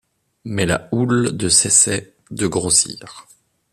Mais la houle de cessait de grossir